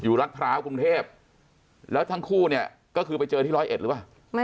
รัฐพร้าวกรุงเทพแล้วทั้งคู่เนี่ยก็คือไปเจอที่ร้อยเอ็ดหรือเปล่า